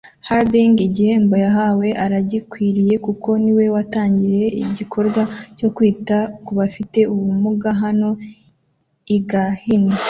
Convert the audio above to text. Harding igihembo yahawe aragikwiriye kuko niwe watangije igikorwa cyo kwita kubafite ubumuga hano I Gahini